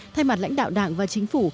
thay mặt lãnh đạo đảng và chính phủ